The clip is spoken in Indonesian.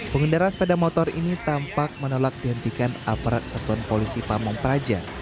pengendara sepeda motor ini tampak menolak dihentikan aparat satuan polisi pamung praja